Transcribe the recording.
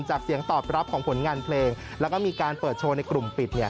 เสียงตอบรับของผลงานเพลงแล้วก็มีการเปิดโชว์ในกลุ่มปิด